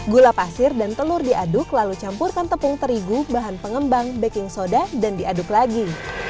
gula pasir dan telur diaduk lalu campurkan tepung terigu bahan pengembang baking soda dan diaduk lagi